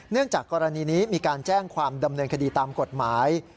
จากกรณีนี้มีการแจ้งความดำเนินคดีตามกฎหมาย